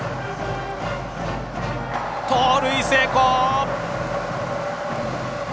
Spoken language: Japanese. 盗塁成功。